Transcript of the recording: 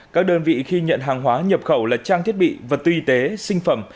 các đơn vị khi nhận hàng hóa nhập khẩu là trang thiết bị vật tư y tế sinh phẩm